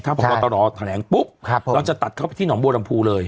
พอบอตรอแถลงปุ๊บครับผมเราจะตัดเข้าไปที่หนองบัวดำภูเลย